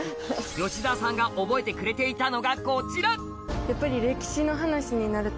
吉沢さんが覚えてくれていたのがこちらやっぱり。